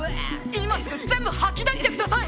今すぐ全部吐き出してください！